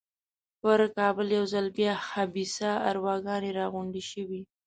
پر کابل یو ځل بیا خبیثه ارواګانې را غونډې شوې.